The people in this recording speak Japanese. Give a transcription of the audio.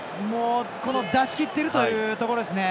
出しきっているというところですね。